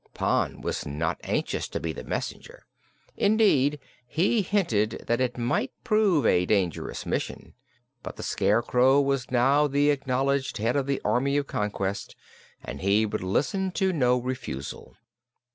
Pon was not anxious to be the messenger. Indeed, he hinted that it might prove a dangerous mission. But the Scarecrow was now the acknowledged head of the Army of Conquest, and he would listen to no refusal.